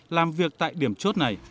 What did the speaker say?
làm việc tại điểm chỗ